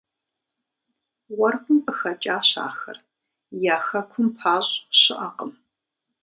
Уэркъым къыхэкӀащ ахэр, я хэкум пащӀ щыӀакъым.